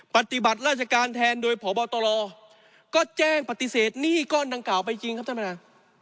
ปฏิบัติราชการแทนโดยพบตรก็แจ้งปฏิเสธหนี้ก้อนดังกล่าวไปจริงครับท่านประธาน